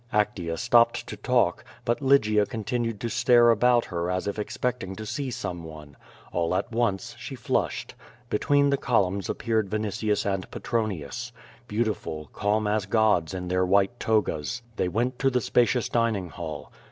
Actea stopped to talk; but Lygia continued to stiu'e about her as if expecting to see some one. All at once she flushed. Between the columns appeared Yinitius and Petronius. Beautiful, calm as gods in their white togas, they went to the spacious dining hall.